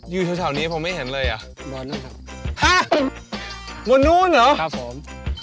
อยู่ชาวชาวนี้ผมไม่เห็นเลยอ่ะนั่นครับวันนู้นเหรอครับผม